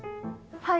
はい。